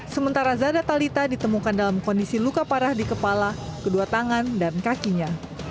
sementara zada talita ditemukan dalam kondisi luka parah di kepala kedua tangan dan kakinya